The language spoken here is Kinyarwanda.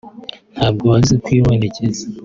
ntabwo azi kwibonekeza